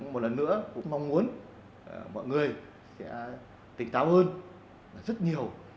một lần nữa cũng mong muốn mọi người tỉnh tàu hơn rất nhiều